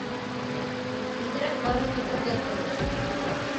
Тиҙерәк барып етергә тырыш.